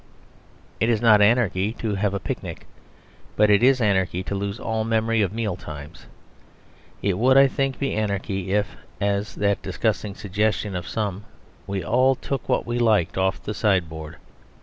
It is not anarchy to have a picnic; but it is anarchy to lose all memory of mealtimes. It would, I think, be anarchy if (as is the disgusting suggestion of some) we all took what we liked off the sideboard.